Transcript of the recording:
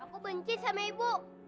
aku benci sama ibu